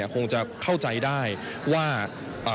คงจะเข้าใจได้ว่า